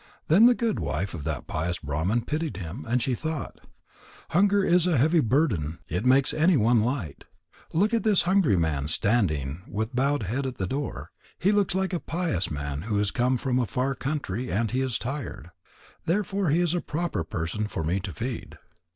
Then the good wife of that pious Brahman pitied him, and she thought: "Hunger is a heavy burden. It makes anyone light. Look at this hungry man standing with bowed head at the door. He looks like a pious man who has come from a far country, and he is tired. Therefore he is a proper person for me to feed."